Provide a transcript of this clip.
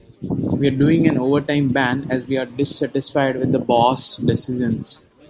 We are doing an overtime ban as we are dissatisfied with the boss' decisions.